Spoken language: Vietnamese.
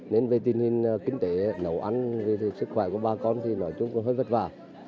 nên về tình hình kinh tế nấu ăn sức khỏe của bà con thì nói chung hơi vất vả